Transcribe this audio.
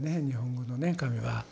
日本語のね「神」は。